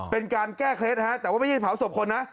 เป็นการแก้เคล็ดฮะแต่ว่าไม่ใช่เผาศพคนนะ